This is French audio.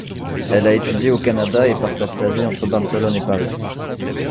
Elle a étudié au Canada et partage sa vie entre Barcelone et Paris.